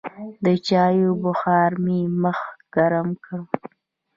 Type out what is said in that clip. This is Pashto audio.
د چايو بخار مې مخ ګرم کړ.